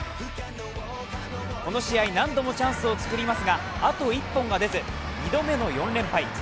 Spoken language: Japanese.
この試合、何度もチャンスを作りますが、あと１本が出ず、２度目の４連敗。